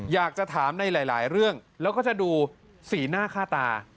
อยากจะถามในหลายเรื่องแล้วก็จะดูสีหน้าค่าตา